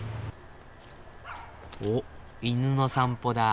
おっ犬の散歩だ。